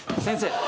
先生。